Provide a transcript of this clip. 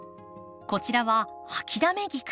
こちらはハキダメギク。